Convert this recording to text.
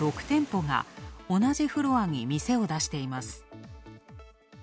６店舗が、同じフロアに店を出しています。